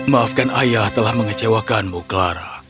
maafkan ayah telah mengecewakanmu clara